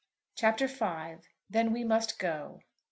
CHAPTER V. "THEN WE MUST GO."